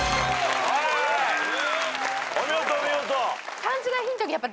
お見事お見事。